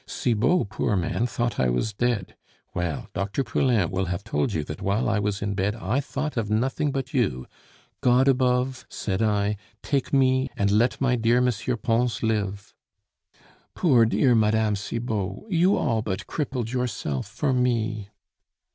Cibot, poor man, thought I was dead.... Well, Dr. Poulain will have told you that while I was in bed I thought of nothing but you. 'God above,' said I, 'take me, and let my dear Mr. Pons live '" "Poor dear Mme. Cibot, you all but crippled yourself for me."